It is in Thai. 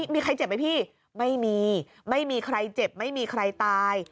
มีใครเจ็บไหมพี่ไม่มีไม่มีใครเจ็บไม่มีใครตาย